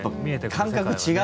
感覚が違う。